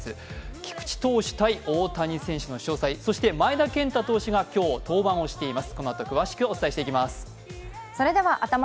菊池投手対大谷選手の詳細、そして前田健太投手が今日、登板をしています。